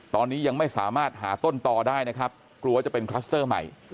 ตอนนี้ยังไม่สามารถหาต้นต่อได้นะครับกลัวจะเป็นคลัสเตอร์ใหม่